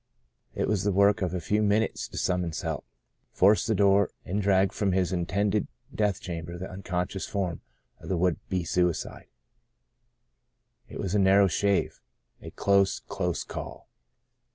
It was the work of a few min utes to summon help, force the door, and 88 Saved to Serve drag from his intended death chamber the unconscious form of the would be suicide. It was a narrow shave. A close, close call.